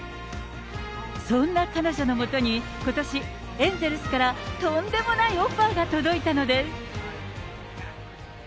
そんな彼女のもとに、ことし、エンゼルスからとんでもないオファーが届いたのです。